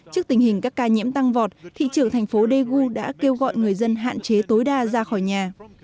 trước tình hình các ca nhiễm tăng vọt thị trưởng thành phố daegu đã kêu gọi người dân hạn chế tối đa ra khỏi nhà